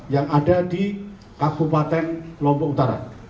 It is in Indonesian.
yang ada di kabupaten lombok utara